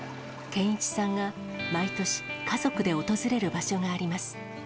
健一さんが毎年、家族で訪れる場所があります。